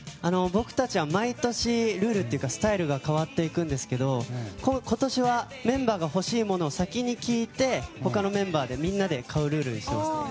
僕たちは毎年ルールというかスタイルが変わっていくんですが今年はメンバーが欲しいものを先に聞いて他のメンバーでみんなで買うルールにしました。